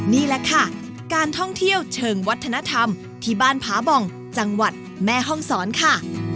นี่แหละค่ะการท่องเที่ยวเชิงวัฒนธรรมที่บ้านผาบ่องจังหวัดแม่ห้องศรค่ะ